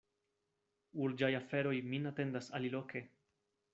Urĝaj aferoj min atendas aliloke.